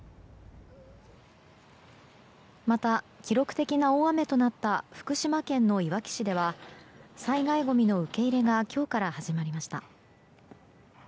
また、記録的な大雨となった福島県のいわき市では災害ごみの受け入れが今日から始まりました。